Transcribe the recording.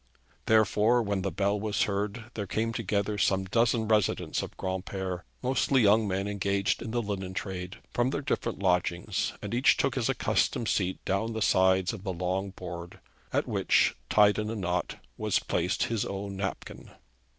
Therefore when the bell was heard there came together some dozen residents of Granpere, mostly young men engaged in the linen trade, from their different lodgings, and each took his accustomed seat down the sides of the long board, at which, tied in a knot, was placed his own napkin.